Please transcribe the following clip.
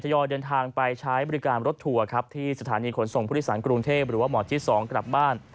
ยอยเดินทางไปใช้บริการรถทัวร์ครับที่สถานีขนส่งผู้โดยสารกรุงเทพหรือว่าหมอที่๒กลับบ้าน